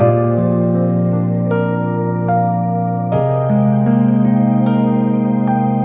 panas banget ya hari ini